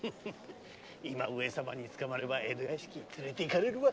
今上様に捕まれば江戸屋敷に連れて行かれるわ。